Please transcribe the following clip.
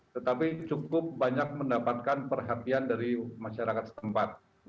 tetapi cukup banyak mendapatkan perhatian dari masyarakat tempat